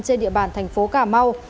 trên địa bàn thành phố cà mau